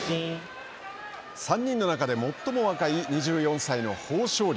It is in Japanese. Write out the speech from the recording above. ３人の中で最も若い２４歳の豊昇龍。